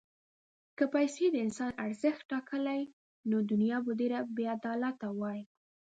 که پیسې د انسان ارزښت ټاکلی، نو دنیا به ډېره بېعدالته وای.